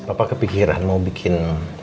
apa kepikiran mau bikin